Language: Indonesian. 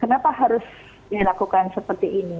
kenapa harus dilakukan seperti ini